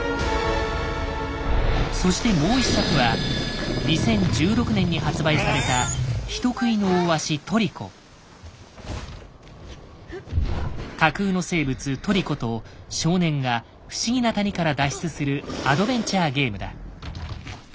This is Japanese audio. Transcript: そしてもう一作は２０１６年に発売された架空の生物「トリコ」と少年が不思議な谷から脱出するアドベンチャーゲームだ。